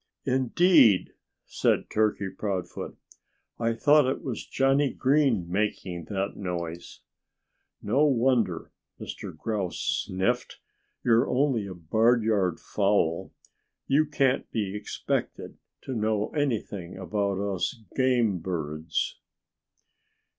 "Indeed!" said Turkey Proudfoot. "I thought it was Johnnie Green making that noise." "No wonder!" Mr. Grouse sniffed. "You're only a barnyard fowl. You can't be expected to know anything about us game birds."